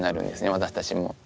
私たちも。